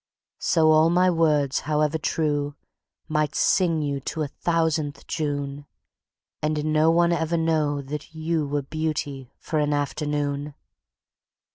So all my words, however true, might sing you to a thousandth June, and no one ever know that you were Beauty for an afternoon.